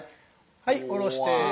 はい下ろして。